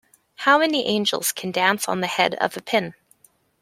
How many angels can dance on the head of a pin?